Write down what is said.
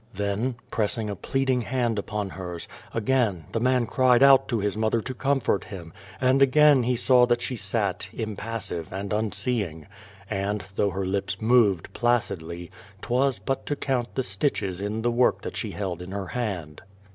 Then, pressing a pleading hand upon hers, again the man cried out to his mother to comfort him, and again he saw that she sat impassive and unseeing, and, though her lips moved placidly, 'twas but to count the stitches in the work that she held in her hand.